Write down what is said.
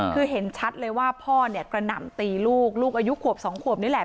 คือเห็นชัดเลยว่าพ่อเนี่ยกระหน่ำตีลูกลูกอายุขวบ๒ขวบนี่แหละ